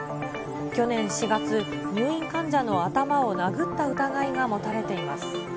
去年４月、入院患者の頭を殴った疑いが持たれています。